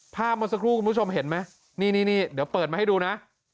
เมื่อสักครู่คุณผู้ชมเห็นไหมนี่เดี๋ยวเปิดมาให้ดูนะ